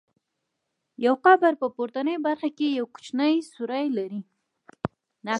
یو قبر په پورتنۍ برخه کې یو کوچنی سوری لري.